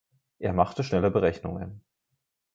Er machte schnelle Berechnungen.